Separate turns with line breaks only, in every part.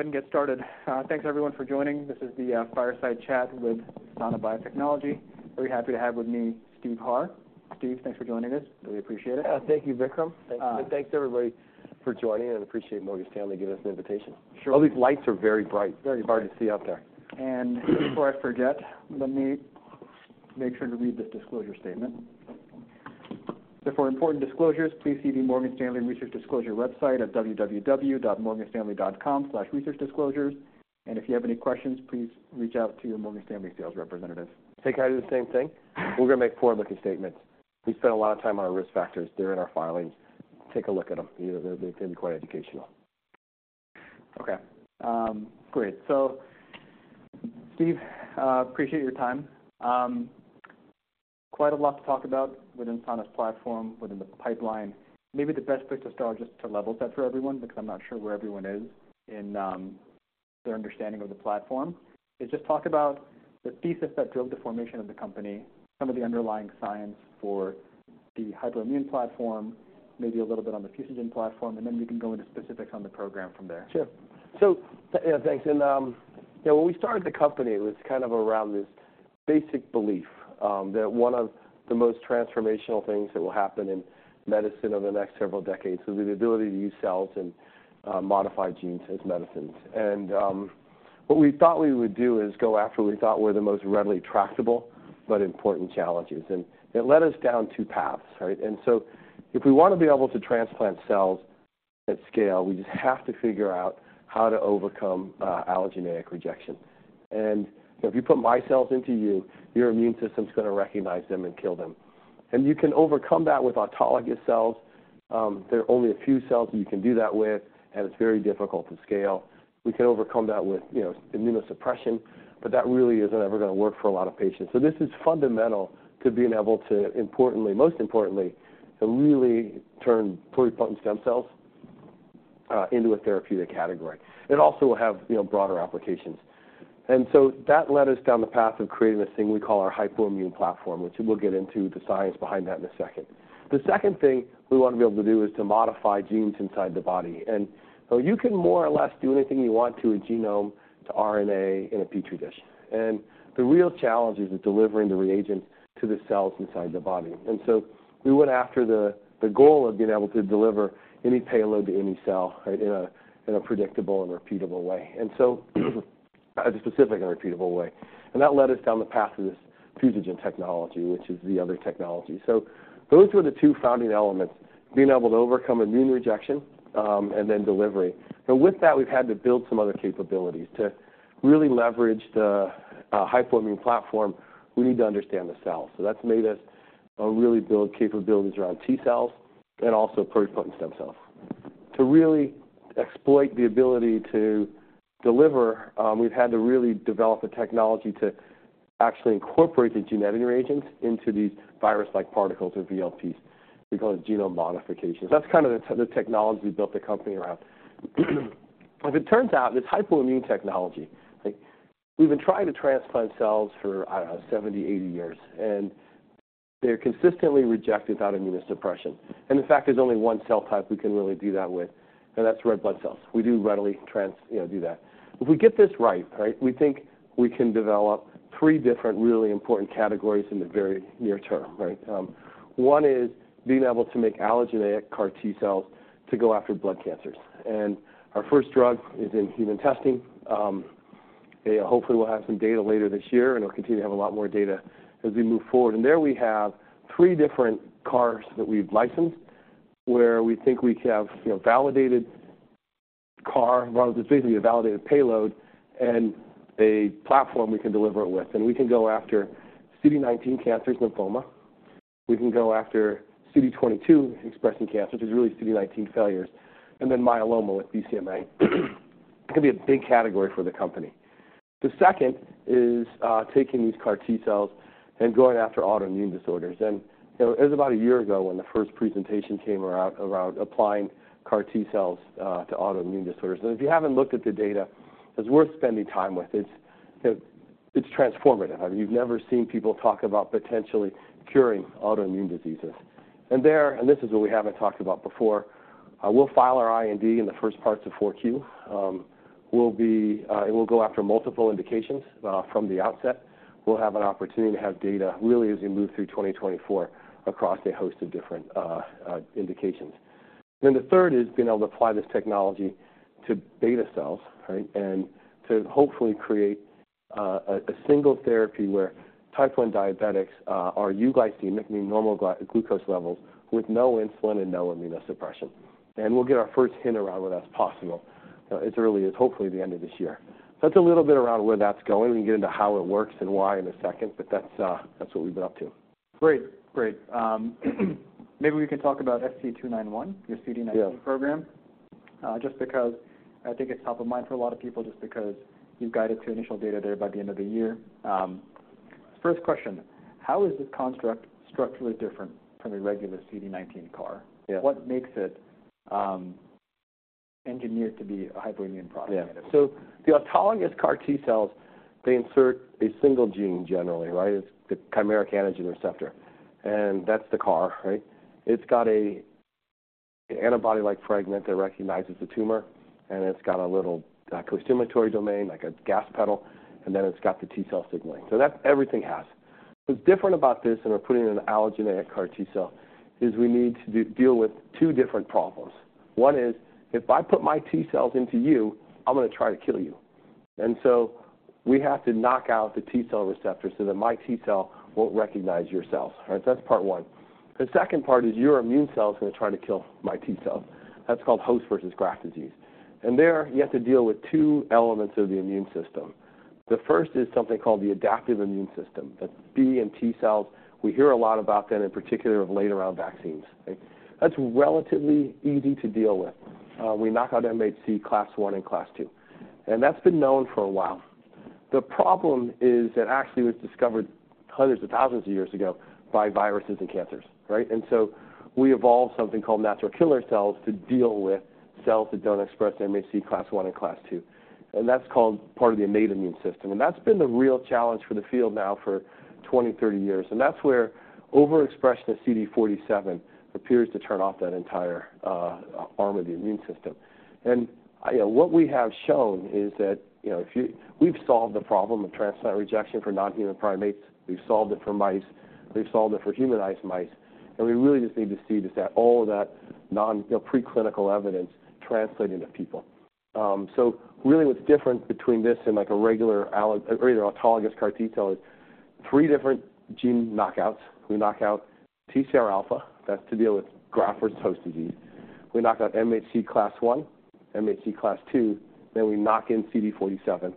Go ahead and get started. Thanks everyone for joining. This is the Fireside Chat with Sana Biotechnology. Very happy to have with me, Steve Harr. Steve, thanks for joining us. Really appreciate it.
Yeah, thank you, Vikram. Thanks, everybody, for joining, and I appreciate Morgan Stanley giving us the invitation.
Sure.
All these lights are very bright, very hard to see out there.
Before I forget, let me make sure to read this disclosure statement. "Therefore, important disclosures, please see the Morgan Stanley Research Disclosure website at www.morganstanley.com/researchdisclosures. And if you have any questions, please reach out to your Morgan Stanley sales representative.
Okay, can I do the same thing? We're gonna make forward-looking statements. We spent a lot of time on our risk factors. They're in our filings. Take a look at them. You know, they're quite educational.
Okay. Great. So, Steve, appreciate your time. Quite a lot to talk about within Sana's platform, within the pipeline. Maybe the best place to start is just to level set for everyone because I'm not sure where everyone is in their understanding of the platform. And just talk about the thesis that drove the formation of the company, some of the underlying science for the Hypoimmune platform, maybe a little bit on the fusogen platform, and then we can go into specifics on the program from there.
Sure. So, thanks. And, yeah, when we started the company, it was kind of around this basic belief, that one of the most transformational things that will happen in medicine over the next several decades is the ability to use cells and, modify genes as medicines. And, what we thought we would do is go after what we thought were the most readily tractable but important challenges, and it led us down two paths, right? And so, if we want to be able to transplant cells at scale, we just have to figure out how to overcome, allogeneic rejection. And if you put my cells into you, your immune system's gonna recognize them and kill them. And you can overcome that with autologous cells. There are only a few cells you can do that with, and it's very difficult to scale. We can overcome that with, you know, immunosuppression, but that really isn't ever gonna work for a lot of patients. So this is fundamental to being able to, importantly, most importantly, to really turn pluripotent stem cells into a therapeutic category. It also will have, you know, broader applications. And so that led us down the path of creating this thing we call our Hypoimmune platform, which we'll get into the science behind that in a second. The second thing we want to be able to do is to modify genes inside the body. And so you can more or less do anything you want to a genome, to RNA in a Petri dish. And the real challenge is delivering the reagents to the cells inside the body. And so we went after the goal of being able to deliver any payload to any cell, right, in a predictable and repeatable way. And so, a specific and repeatable way. And that led us down the path of this fusogen technology, which is the other technology. So those were the two founding elements, being able to overcome immune rejection, and then delivery. But with that, we've had to build some other capabilities. To really leverage the Hypoimmune platform, we need to understand the cells. So that's made us really build capabilities around T cells and also pluripotent stem cells. To really exploit the ability to deliver, we've had to really develop the technology to actually incorporate the genetic reagents into these virus-like particles, or VLPs. We call it genome modifications. That's kind of the technology we built the company around. As it turns out, this hypoimmune technology, like we've been trying to transplant cells for, I don't know, 70, 80 years, and they're consistently rejected without immunosuppression. In fact, there's only one cell type we can really do that with, and that's red blood cells. We do readily, you know, do that. If we get this right, right, we think we can develop three different really important categories in the very near term, right? One is being able to make allogeneic CAR T cells to go after blood cancers. And our first drug is in human testing. Hopefully, we'll have some data later this year, and we'll continue to have a lot more data as we move forward. And there we have three different CARs that we've licensed, where we think we have, you know, validated CAR, well, it's basically a validated payload and a platform we can deliver it with. And we can go after CD19 cancers, lymphoma, we can go after CD22 expressing cancers, which is really CD19 failures, and then myeloma with BCMA. It's gonna be a big category for the company. The second is taking these CAR T cells and going after autoimmune disorders. And, you know, it was about a year ago when the first presentation came around, around applying CAR T cells to autoimmune disorders. And if you haven't looked at the data, it's worth spending time with. It's, it, it's transformative. I mean, you've never seen people talk about potentially curing autoimmune diseases. This is what we haven't talked about before. We'll file an IND in the first parts of 4Q. We'll be, and we'll go after multiple indications from the outset. We'll have an opportunity to have data, really, as we move through 2024 across a host of different indications. Then the third is being able to apply this technology to beta cells, right? And to hopefully create a single therapy where type I diabetics are euglycemic, meaning normal glucose levels, with no insulin and no immunosuppression. We'll get our first hint around whether that's possible, as early as hopefully the end of this year. That's a little bit around where that's going. We can get into how it works and why in a second, but that's what we've been up to.
Great. Great. Maybe we can talk about SC291-
Yeah
Your CD19 program, just because I think it's top of mind for a lot of people, just because you've guided to initial data there by the end of the year. First question: How is this construct structurally different from a regular CD19 CAR?
Yeah.
What makes it engineered to be a Hypoimmune product?
Yeah. The autologous CAR T cells, they insert a single gene generally, right? It's the chimeric antigen receptor, and that's the CAR, right? It's got a, an antibody-like fragment that recognizes the tumor, and it's got a little, costimulatory domain, like a gas pedal, and then it's got the T cell signaling. So that everything has. What's different about this, and we're putting in an allogeneic CAR T cell, is we need to deal with two different problems. One is, if I put my T cells into you, I'm gonna try to kill you. And so we have to knock out the T cell receptor so that my T cell won't recognize your cells. All right? So that's part one. The second part is your immune cell is gonna try to kill my T cell. That's called host-versus-graft disease. There, you have to deal with two elements of the immune system. The first is something called the adaptive immune system. That's B and T cells. We hear a lot about them, in particular, of late around vaccines. Okay? That's relatively easy to deal with. We knock out MHC class I and class II, and that's been known for a while. The problem is that actually was discovered hundreds of thousands of years ago by viruses and cancers, right? And so we evolved something called natural killer cells to deal with cells that don't express MHC class I and class II, and that's called part of the innate immune system. And that's been the real challenge for the field now for 20-30 years, and that's where overexpression of CD47 appears to turn off that entire arm of the immune system. And, what we have shown is that, you know, we've solved the problem of transplant rejection for non-human primates. We've solved it for mice, we've solved it for humanized mice, and we really just need to see just that, all of that, you know, preclinical evidence translate into people. So really what's different between this and, like, a regular autologous CAR T cell is three different gene knockouts. We knock out TCR alpha. That's to deal with graft-versus-host disease. We knock out MHC class I, MHC class II, then we knock in CD47. So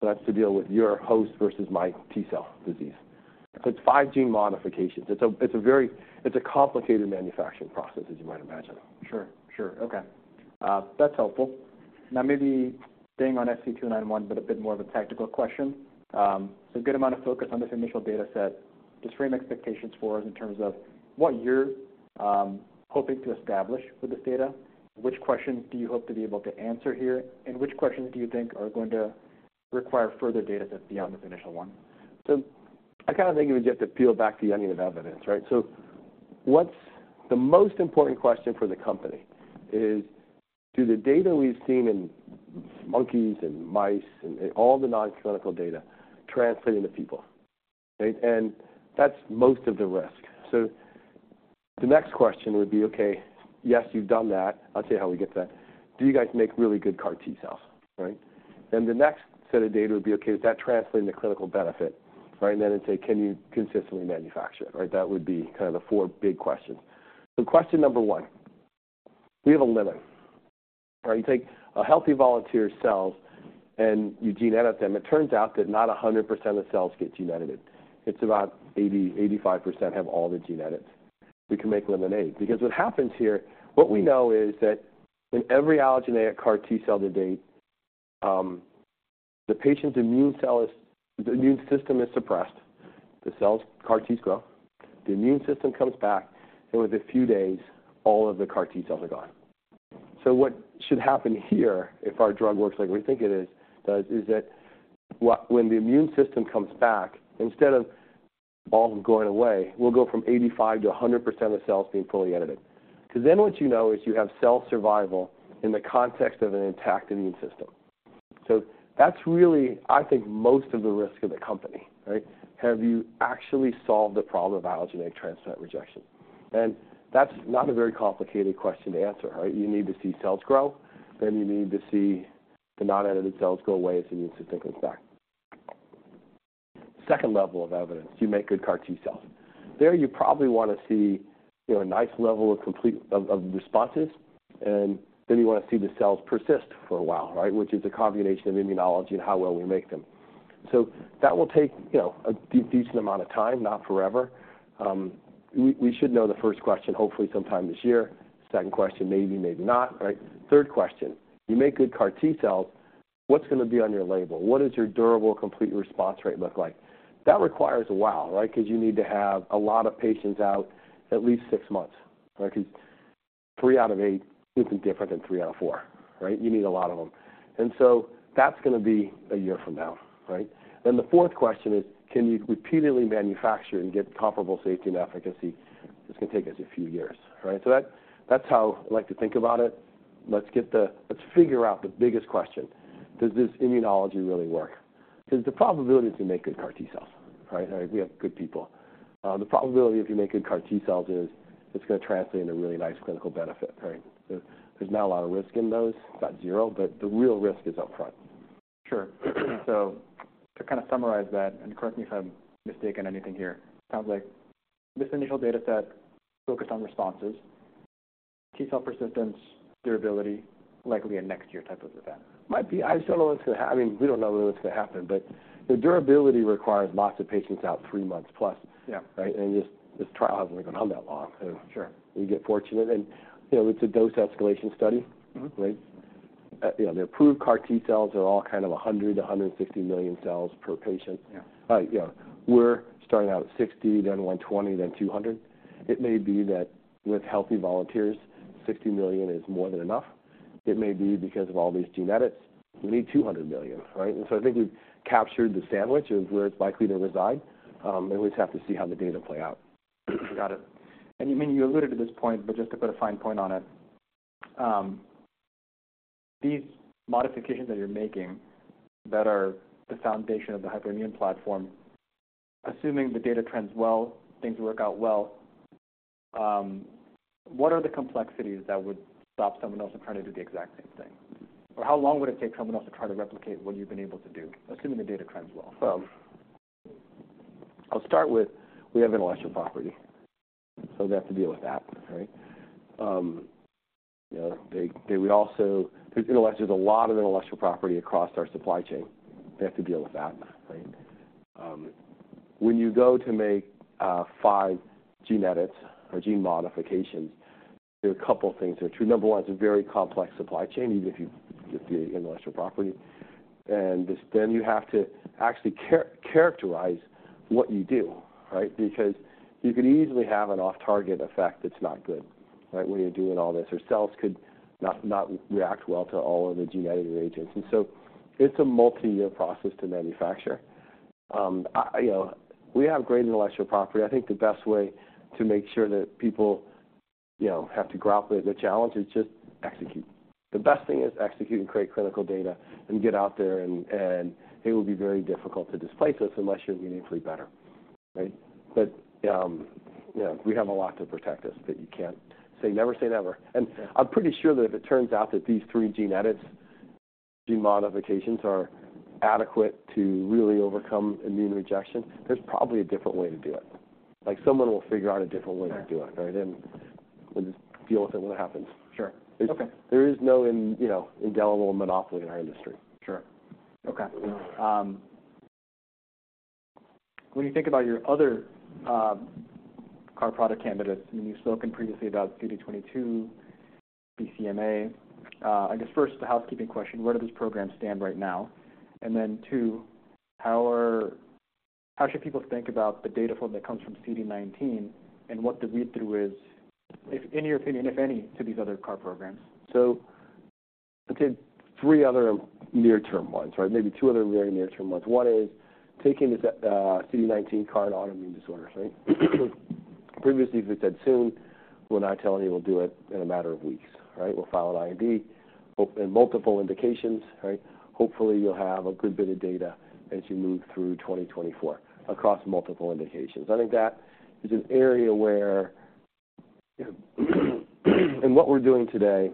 that's to deal with host-versus-graft disease. So it's five gene modifications. It's a very complicated manufacturing process, as you might imagine.
Sure, sure. Okay. That's helpful. Now, maybe staying on SC291, but a bit more of a tactical question. So good amount of focus on this initial data set. Just frame expectations for us in terms of what you're hoping to establish with this data. Which questions do you hope to be able to answer here, and which questions do you think are going to require further data set beyond this initial one?
So I kind of think you would just to peel back the onion of evidence, right? So what's the most important question for the company is, do the data we've seen in monkeys and mice and all the non-clinical data translate into people, right? And that's most of the risk. So the next question would be, "Okay, yes, you've done that." I'll tell you how we get to that. Do you guys make really good CAR T cells, right? Then the next set of data would be, okay, does that translate into clinical benefit, right? And then it's like, can you consistently manufacture it? Right, that would be kind of the 4 big questions. So question number 1, we have a limit, where you take a healthy volunteer's cells, and you gene-edit them. It turns out that not 100% of the cells get gene-edited. It's about 80%-85% have all the gene edits. We can make lemonade because what happens here, what we know is that in every allogeneic CAR T cell to date, the immune system is suppressed. The cells, CAR T's, grow. The immune system comes back, and within a few days, all of the CAR T cells are gone. So what should happen here, if our drug works like we think it is, is that when the immune system comes back, instead of all of them going away, we'll go from 85% to 100% of the cells being fully edited. 'Cause then what you know is you have cell survival in the context of an intact immune system. So that's really, I think, most of the risk of the company, right? Have you actually solved the problem of allogeneic transplant rejection? That's not a very complicated question to answer, right? You need to see cells grow, then you need to see the non-edited cells go away as the immune system comes back. Second level of evidence, do you make good CAR T cells? There, you probably want to see, you know, a nice level of complete responses, and then you want to see the cells persist for a while, right? Which is a combination of immunology and how well we make them. So that will take, you know, a decent amount of time, not forever. We should know the first question, hopefully, sometime this year. Second question, maybe, maybe not, right? Third question, you make good CAR T cells. What's gonna be on your label? What does your durable complete response rate look like? That requires a while, right? 'Cause you need to have a lot of patients out at least six months, right? 'Cause three out of eight isn't different than three out of four, right? You need a lot of them. And so that's gonna be a year from now, right? Then the fourth question is, can you repeatedly manufacture and get comparable safety and efficacy? It's gonna take us a few years, right? So that, that's how I like to think about it. Let's figure out the biggest question. Does this immunology really work? 'Cause the probability is we make good CAR T cells, right? We have good people. The probability, if you make good CAR T cells, is it's gonna translate into a really nice clinical benefit, right? There's, there's not a lot of risk in those, it's not zero, but the real risk is upfront.
Sure. So to kind of summarize that, and correct me if I'm mistaken, anything here, sounds like this initial data set focused on responses, T cell persistence, durability, likely a next year type of event.
Might be. I just don't know what's gonna happen. I mean, we don't know when it's gonna happen, but the durability requires lots of patients out, three months plus.
Yeah.
Right? And this, this trial hasn't gone on that long.
Sure.
We get fortunate and, you know, it's a dose escalation study. Right? You know, the approved CAR T cells are all kind of 100-150 million cells per patient.
Yeah.
Yeah, we're starting out at 60, then 120, then 200. It may be that with healthy volunteers, 60 million is more than enough… it may be because of all these gene edits, we need 200 million, right? And so I think we've captured the sandwich of where it's likely to reside. We just have to see how the data play out.
Got it. And you, I mean, you alluded to this point, but just to put a fine point on it, these modifications that you're making that are the foundation of the Hypoimmune platform, assuming the data trends well, things work out well, what are the complexities that would stop someone else from trying to do the exact same thing? Or how long would it take someone else to try to replicate what you've been able to do, assuming the data trends well?
Well, I'll start with, we have intellectual property, so they have to deal with that, right? You know, they would also... There's a lot of intellectual property across our supply chain. They have to deal with that, right? When you go to make five gene edits or gene modifications, there are a couple things that are true. Number one, it's a very complex supply chain, even if you get the intellectual property. And then you have to actually characterize what you do, right? Because you could easily have an off-target effect that's not good, right? When you're doing all this, or cells could not react well to all of the gene editing agents. And so it's a multi-year process to manufacture. You know, we have great intellectual property. I think the best way to make sure that people, you know, have to grapple with the challenge is just execute. The best thing is execute and create clinical data and get out there and, and it will be very difficult to displace us unless you're meaningfully better, right? But, you know, we have a lot to protect us, but you can't say never say never. And I'm pretty sure that if it turns out that these three gene edits, gene modifications, are adequate to really overcome immune rejection, there's probably a different way to do it. Like, someone will figure out a different way to do it, right?
Right.
We'll just deal with it when it happens.
Sure. Okay.
There is no, you know, indelible monopoly in our industry.
Sure. Okay. When you think about your other CAR product candidates, and you've spoken previously about CD22, BCMA. I guess first, the housekeeping question, where do these programs stand right now? And then two, how should people think about the data flow that comes from CD19 and what the read-through is, if, in your opinion, if any, to these other CAR programs?
So I'll take three other near-term ones, or maybe two other very near-term ones. One is taking this CD19 CAR in autoimmune disorders, right? Previously, we said soon, we're now telling you we'll do it in a matter of weeks, right? We'll file an IND in multiple indications, right? Hopefully, you'll have a good bit of data as you move through 2024 across multiple indications. I think that is an area where, and what we're doing today,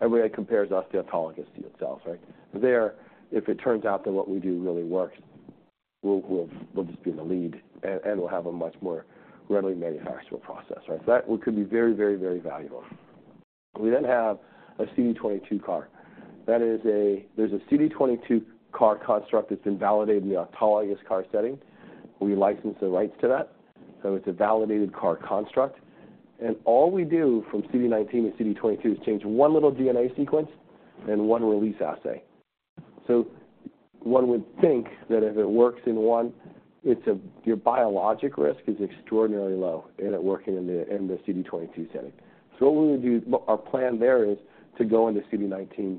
everybody compares us to autologous T cells, right? There, if it turns out that what we do really works, we'll, we'll, we'll just be in the lead, and, and we'll have a much more readily manufacturable process, right? That could be very, very, very valuable. We then have a CD22 CAR. That is a... There's a CD22 CAR construct that's been validated in the autologous CAR setting. We licensed the rights to that, so it's a validated CAR construct. And all we do from CD19 to CD22 is change one little DNA sequence and one release assay. So one would think that if it works in one, it's your biologic risk is extraordinarily low, and it working in the, in the CD22 setting. So what we would do, our plan there is to go into CD19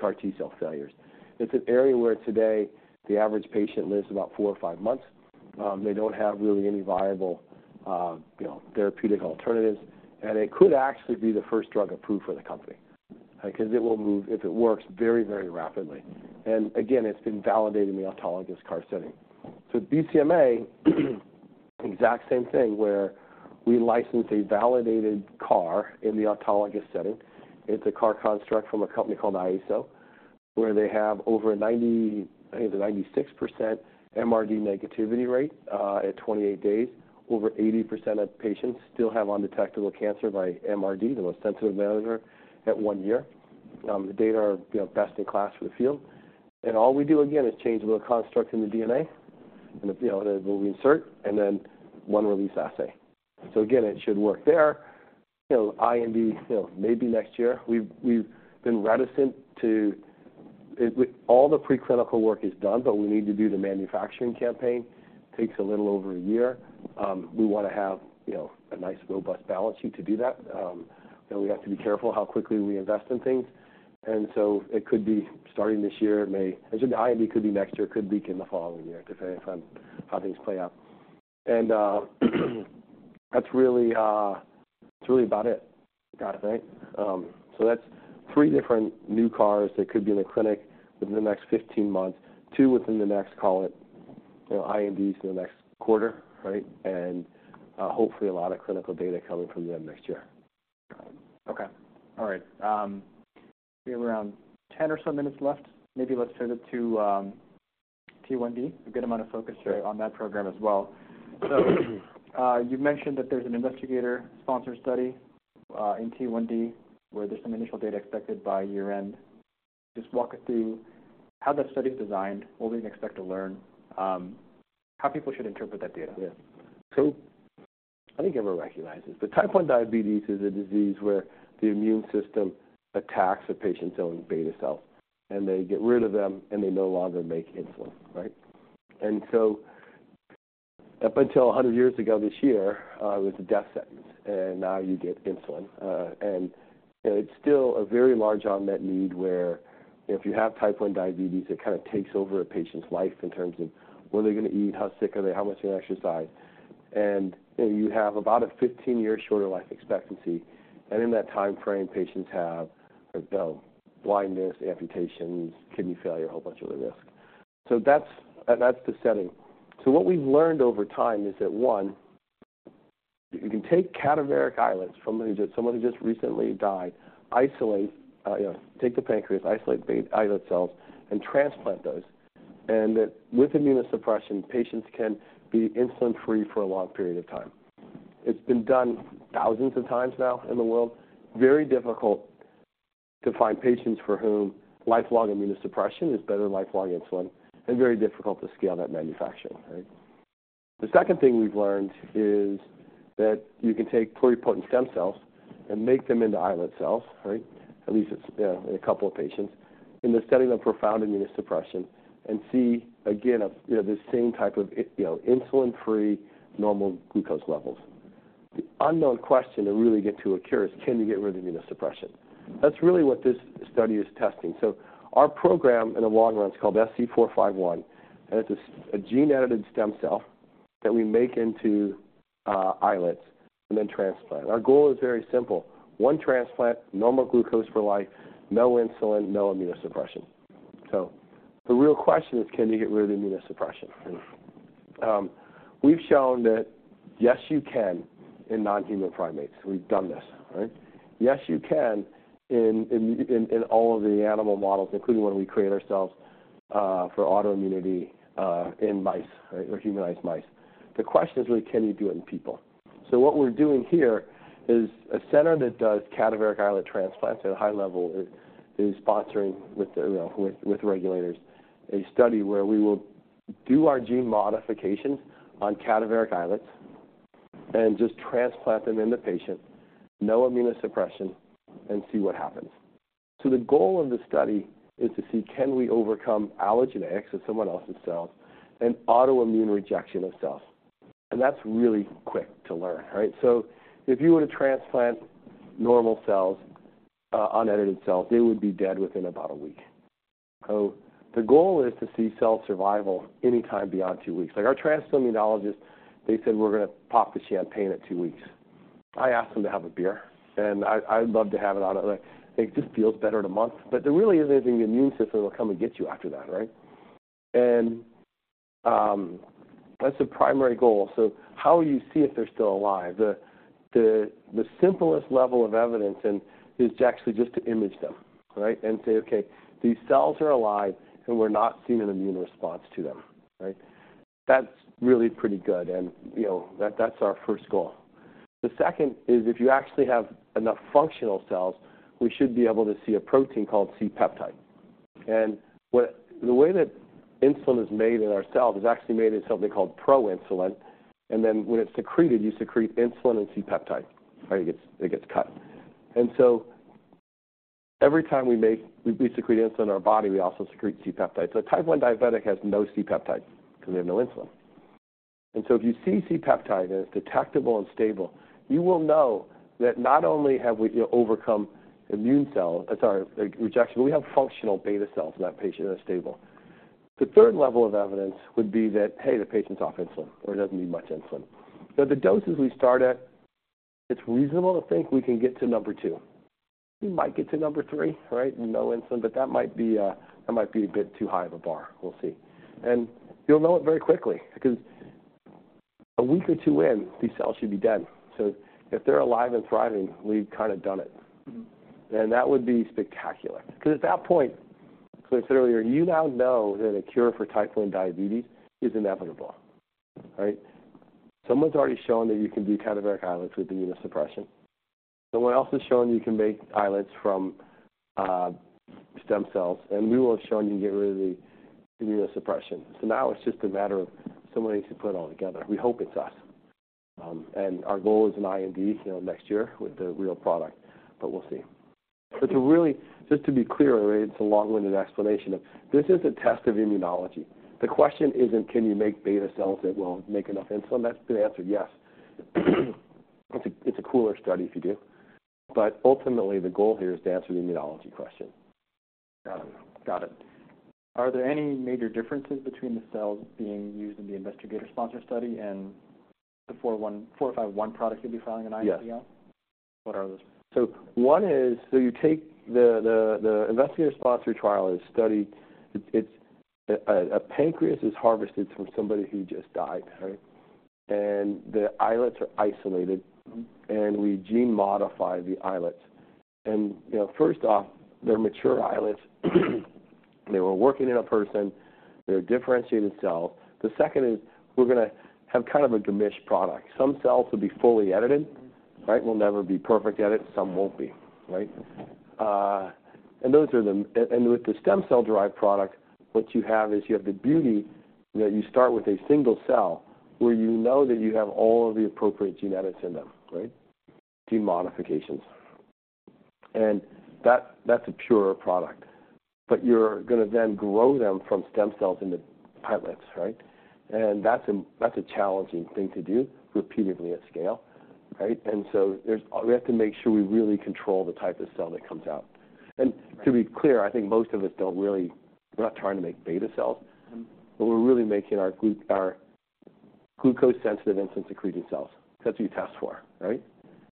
CAR T cell failures. It's an area where today the average patient lives about four or five months. They don't have really any viable, you know, therapeutic alternatives, and it could actually be the first drug approved for the company. Because it will move, if it works, very, very rapidly. And again, it's been validated in the autologous CAR setting. So BCMA, exact same thing, where we license a validated CAR in the autologous setting. It's a CAR construct from a company called IASO, where they have over 90, I think 96% MRD negativity rate at 28 days. Over 80% of patients still have undetectable cancer by MRD, the most sensitive measure, at one year. The data are, you know, best in class for the field. And all we do, again, is change a little construct in the DNA, and, you know, we'll reinsert, and then one release assay. So again, it should work there. You know, IND, you know, maybe next year. We've been reticent to... With all the preclinical work is done, but we need to do the manufacturing campaign. Takes a little over a year. We want to have, you know, a nice, robust balance sheet to do that. And we have to be careful how quickly we invest in things. And so it could be starting this year. It may... As an IND, could be next year, could be in the following year, depending on how things play out. And, that's really, that's really about it.
Got it.
Right? So that's three different new CARs that could be in the clinic within the next 15 months, two within the next, call it, you know, INDs in the next quarter, right? And, hopefully, a lot of clinical data coming from them next year.
Okay. All right. We have around 10 or so minutes left. Maybe let's turn it to T1D, a good amount of focus here-
Sure.
-on that program as well. So, you've mentioned that there's an investigator-sponsored study in T1D, where there's some initial data expected by year-end. Just walk us through how that study is designed, what we can expect to learn, how people should interpret that data?
Yeah. So I think everyone recognizes, but type 1 diabetes is a disease where the immune system attacks a patient's own beta cell, and they get rid of them, and they no longer make insulin, right? Up until 100 years ago this year was a death sentence, and now you get insulin. And, you know, it's still a very large unmet need where if you have type 1 diabetes, it kind of takes over a patient's life in terms of what are they going to eat? How sick are they? How much they exercise? And, you know, you have about a 15-year shorter life expectancy, and in that time frame, patients have, you know, blindness, amputations, kidney failure, a whole bunch of other risks. So that's, that's the setting. So what we've learned over time is that, one, you can take cadaveric islets from somebody that, somebody just recently died, isolate, you know, take the pancreas, isolate the islet cells and transplant those. And that with immunosuppression, patients can be insulin-free for a long period of time. It's been done thousands of times now in the world. Very difficult to find patients for whom lifelong immunosuppression is better than lifelong insulin, and very difficult to scale that manufacturing, right? The second thing we've learned is that you can take pluripotent stem cells and make them into islet cells, right? At least it's, you know, in a couple of patients, in the setting of profound immunosuppression and see, again, you know, the same type of you know, insulin-free normal glucose levels. The unknown question to really get to a cure is can you get rid of immunosuppression? That's really what this study is testing. So our program in the long run is called SC451, and it's a gene-edited stem cell that we make into islets and then transplant. Our goal is very simple: one transplant, normal glucose for life, no insulin, no immunosuppression. So the real question is, can you get rid of immunosuppression? We've shown that, yes, you can in non-human primates. We've done this, right? Yes, you can in all of the animal models, including the one we create ourselves for autoimmunity in mice, right, or humanized mice. The question is, really, can you do it in people? So what we're doing here is a center that does cadaveric islet transplants at a high level is sponsoring with the regulators a study where we will do our gene modifications on cadaveric islets and just transplant them in the patient, no immunosuppression, and see what happens. So the goal of the study is to see can we overcome allogeneic, so someone else's cells, and autoimmune rejection of cells. And that's really quick to learn, right? So if you were to transplant normal cells, unedited cells, they would be dead within about a week. So the goal is to see cell survival anytime beyond two weeks. Like our transplant immunologist, they said, "We're going to pop the champagne at two weeks." I asked them to have a beer, and I'd love to have it on it. Like, it just feels better in a month, but there really isn't anything the immune system will come and get you after that, right? And, that's the primary goal. So how will you see if they're still alive? The simplest level of evidence and is actually just to image them, right? And say, "Okay, these cells are alive, and we're not seeing an immune response to them," right? That's really pretty good, and, you know, that, that's our first goal. The second is if you actually have enough functional cells, we should be able to see a protein called C-peptide. And the way that insulin is made in our cells is actually made in something called proinsulin, and then when it's secreted, you secrete insulin and C-peptide. Right, it gets cut. And so every time we secrete insulin in our body, we also secrete C-peptide. So a type 1 diabetic has no C-peptide because they have no insulin. And so if you see C-peptide, and it's detectable and stable, you will know that not only have we, you know, overcome immune cells, I'm sorry, rejection, but we have functional beta cells in that patient, and they're stable. The third level of evidence would be that, hey, the patient's off insulin or doesn't need much insulin. So the doses we start at, it's reasonable to think we can get to number two. We might get to number three, right? No insulin, but that might be, that might be a bit too high of a bar. We'll see. And you'll know it very quickly because a week or two in, these cells should be dead. So if they're alive and thriving, we've kind of done it. And that would be spectacular because at that point, considering you now know that a cure for type 1 diabetes is inevitable, right? Someone's already shown that you can do cadaveric islets with immunosuppression. Someone else has shown you can make islets from stem cells, and we will have shown you can get rid of the immunosuppression. So now it's just a matter of somebody to put it all together. We hope it's us. And our goal is an IND, you know, next year with the real product, but we'll see. But to really... Just to be clear, it's a long-winded explanation of this is a test of immunology. The question isn't can you make beta cells that will make enough insulin? That's been answered, yes. It's a cooler study if you do, but ultimately, the goal here is to answer the immunology question.
Got it. Got it. Are there any major differences between the cells being used in the investigator-sponsored study and the SC451 product you'll be filing an IND on?
Yes.
What are those?
So one is, so you take the investigator-sponsored trial study. It's a pancreas is harvested from somebody who just died, right? And the islets are isolated and we gene modify the islets. And, you know, first off, they're mature islets. They were working in a person. They're a differentiated cell. The second is we're going to have kind of a gemisch product. Some cells will be fully edited, right? We'll never be perfect at it. Some won't be, right? And those are the... and with the stem cell-derived product, what you have is you have the beauty, that you start with a single cell, where you know that you have all of the appropriate genetics in them, right? Gene modifications... And that, that's a pure product. But you're gonna then grow them from stem cells in the pipelines, right? And that's a, that's a challenging thing to do repeatedly at scale, right? And so there's, we have to make sure we really control the type of cell that comes out. And to be clear, I think most of us don't really, we're not trying to make beta cells, but we're really making our glucose-sensitive insulin-secreting cells. That's what you test for, right?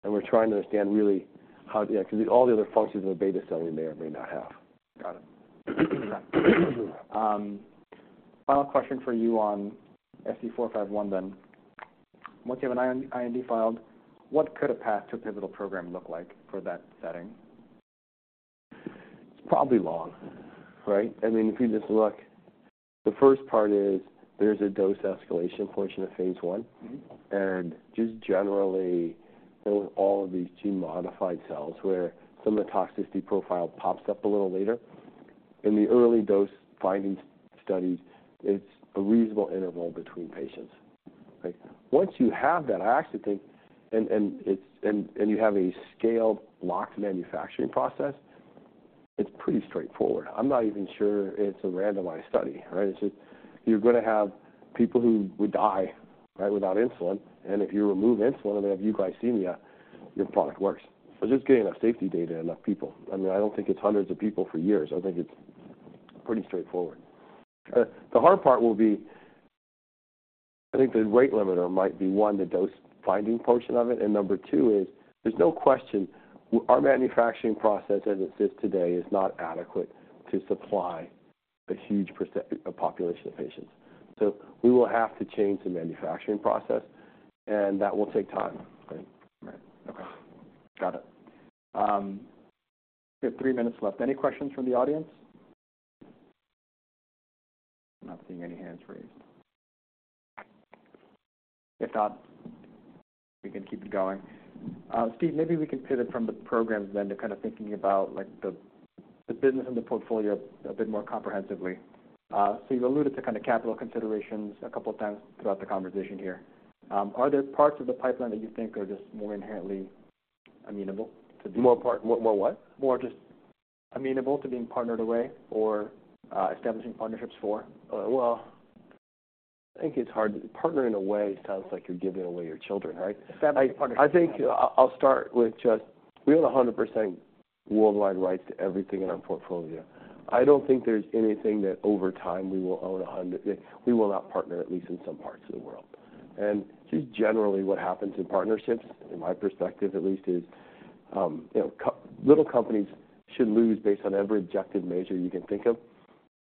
And we're trying to understand really how, yeah, because all the other functions of a beta cell we may or may not have.
Got it. Final question for you on SC451 then. Once you have an IND filed, what could a path to a pivotal program look like for that setting?
It's probably long, right? I mean, if you just look, the first part is there's a dose escalation portion of phase I. Just generally, with all of these gene-modified cells, where some of the toxicity profile pops up a little later. In the early dose-finding studies, it's a reasonable interval between patients, right? Once you have that, I actually think, and you have a scaled, locked manufacturing process, it's pretty straightforward. I'm not even sure it's a randomized study, right? It's just you're gonna have people who would die, right, without insulin, and if you remove insulin and they have euglycemia, your product works. So just getting enough safety data and enough people. I mean, I don't think it's hundreds of people for years. I think it's pretty straightforward. The hard part will be, I think the rate limiter might be, one, the dose-finding portion of it, and number two is there's no question our manufacturing process, as it sits today, is not adequate to supply the huge % of population of patients. So we will have to change the manufacturing process, and that will take time. Right?
Right. Okay, got it. We have three minutes left. Any questions from the audience? I'm not seeing any hands raised. If not, we can keep it going. Steve, maybe we can pivot from the programs then to kind of thinking about, like, the business and the portfolio a bit more comprehensively. So you've alluded to kind of capital considerations a couple of times throughout the conversation here. Are there parts of the pipeline that you think are just more inherently amenable to do?
More part... More what?
More just amenable to being partnered away or, establishing partnerships for?
Well, I think it's hard. Partnering away sounds like you're giving away your children, right?
Establishing a partnership.
I think I'll start with just we own 100% worldwide rights to everything in our portfolio. I don't think there's anything that over time, we will own a hundred... We will not partner, at least in some parts of the world. And just generally, what happens in partnerships, in my perspective at least, is, you know, small companies should lose based on every objective measure you can think of,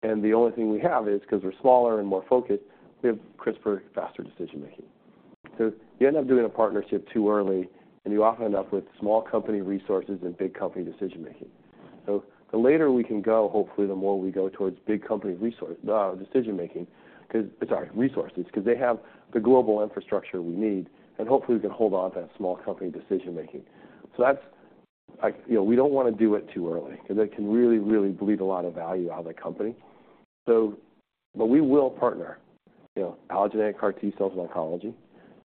and the only thing we have is, because we're smaller and more focused, we have crisper, faster decision making. So you end up doing a partnership too early, and you often end up with small company resources and big company decision making. So the later we can go, hopefully, the more we go towards big company resource, decision making, 'cause... I'm sorry, resources, 'cause they have the global infrastructure we need, and hopefully, we can hold on to that small company decision making. So that's, like, you know, we don't want to do it too early because it can really, really bleed a lot of value out of the company. So but we will partner, you know, allogeneic CAR T cells in oncology,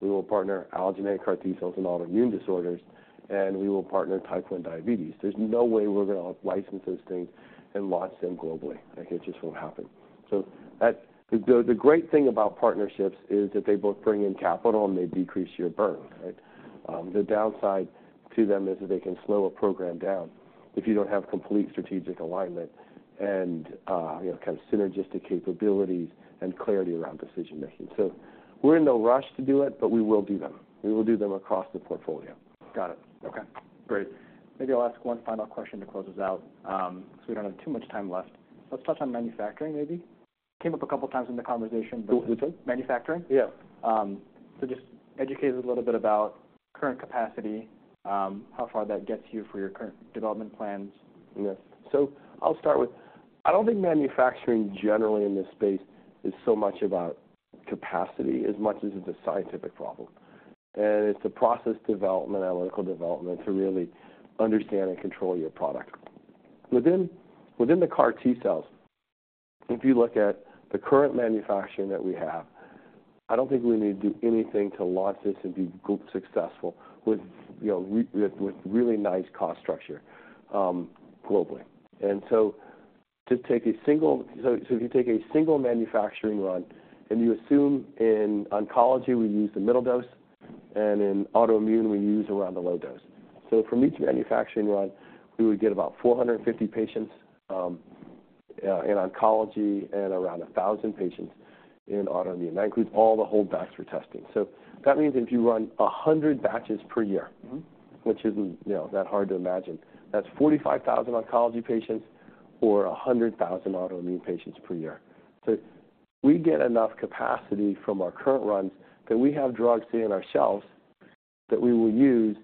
we will partner allogeneic CAR T cells in autoimmune disorders, and we will partner type one diabetes. There's no way we're gonna license those things and launch them globally. It just won't happen. So that's the great thing about partnerships is that they both bring in capital, and they decrease your burn, right? The downside to them is that they can slow a program down if you don't have complete strategic alignment and, you know, kind of synergistic capabilities and clarity around decision making. We're in no rush to do it, but we will do them. We will do them across the portfolio.
Got it. Okay, great. Maybe I'll ask one final question to close us out, because we don't have too much time left. Let's touch on manufacturing maybe. Came up a couple times in the conversation.
Go with it.
Manufacturing?
Yeah.
So, just educate us a little bit about current capacity, how far that gets you for your current development plans.
Yes. So I'll start with, I don't think manufacturing generally in this space is so much about capacity as much as it's a scientific problem, and it's a process development, analytical development to really understand and control your product. Within, within the CAR T cells, if you look at the current manufacturing that we have, I don't think we need to do anything to launch this and be successful with, you know, with, with really nice cost structure, globally. So if you take a single manufacturing run and you assume in oncology, we use the middle dose, and in autoimmune, we use around the low dose. So for each manufacturing run, we would get about 450 patients in oncology and around 1,000 patients in autoimmune. That includes all the holdbacks for testing. So that means if you run 100 batches per year which isn't, you know, that hard to imagine, that's 45,000 oncology patients or 100,000 autoimmune patients per year. So we get enough capacity from our current runs that we have drugs sitting on our shelves that we will use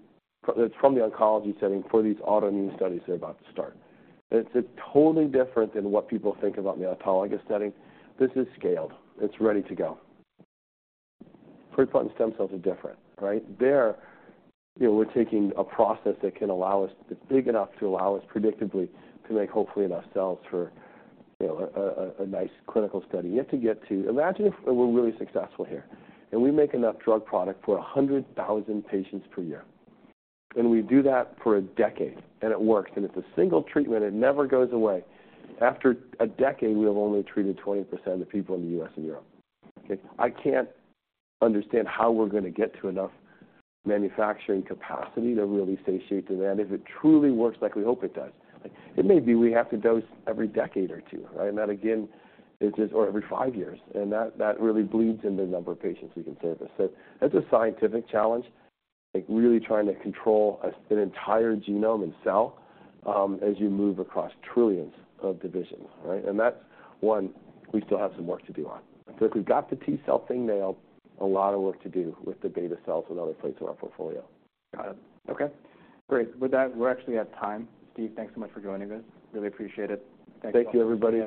from the oncology setting for these autoimmune studies they're about to start. It's totally different than what people think about the oncology setting. This is scaled. It's ready to go. Pluripotent stem cells are different, right? There, you know, we're taking a process that can allow us, big enough to allow us predictably to make, hopefully, enough cells for, you know, a nice clinical study. You have to get to... Imagine if we're really successful here, and we make enough drug product for 100,000 patients per year, and we do that for a decade, and it works, and it's a single treatment, it never goes away. After a decade, we have only treated 20% of the people in the U.S. and Europe. Okay? I can't understand how we're gonna get to enough manufacturing capacity to really satiate demand if it truly works like we hope it does. It may be we have to dose every decade or two, right? And that, again, is just, or every 5 years, and that really bleeds into the number of patients we can service. So that's a scientific challenge, like really trying to control an entire genome and cell as you move across trillions of divisions, right? And that's one we still have some work to do on. If we've got the T cell thing nailed, a lot of work to do with the beta cells and other plates in our portfolio.
Got it. Okay, great. With that, we're actually at time. Steve, thanks so much for joining us. Really appreciate it.
Thank you, everybody.